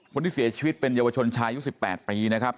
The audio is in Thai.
คนที่เสียชีวิตเป็นเยาวชนชายุ๑๘ปีนะครับ